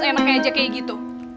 enak aja kayak gitu